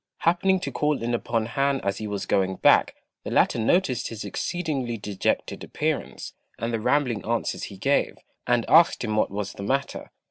Happening to call in upon Han as he was going back, the latter noticed his exceedingly dejected appearance, and the rambling answers he gave, and asked him what was the matter.